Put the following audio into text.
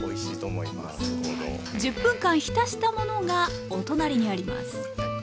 １０分間浸したものがお隣にあります。